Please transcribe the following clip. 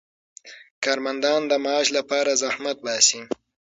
کارمندان د معاش لپاره زحمت باسي.